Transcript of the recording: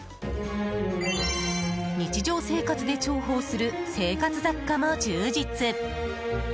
日常生活で重宝する生活雑貨も充実！